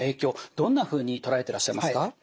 どんなふうに捉えてらっしゃいますか？